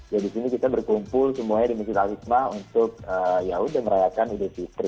jadi di sini kita berkumpul semuanya di masjid al hizma untuk yaudah merayakan hidayat fitri